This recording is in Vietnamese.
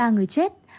ba người chết